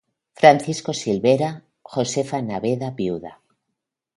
Francisco Silvera, Josefa Naveda Vda.